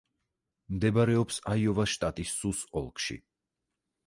მდებარეობს აიოვის შტატის სუს ოლქში.